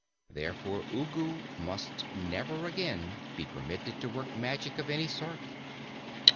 Therefore Ugu must never again be permitted to work magic of any sort."